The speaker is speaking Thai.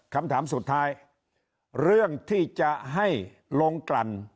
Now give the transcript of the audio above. คำถามสุดท้ายเรื่องที่จะให้ลงกลั่น